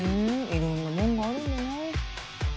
いろんなものがあるんだな。